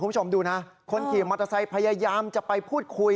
คุณผู้ชมดูนะคนขี่มอเตอร์ไซค์พยายามจะไปพูดคุย